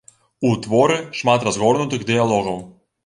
У творы шмат разгорнутых дыялогаў.